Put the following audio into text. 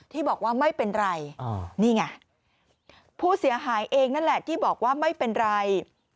ที่บอกว่าไม่เป็นไรนี่ไงผู้เสียหายเองนั่นแหละที่บอกว่าไม่เป็นไร